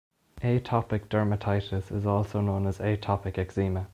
Atopic dermatitis is also known as atopic eczema.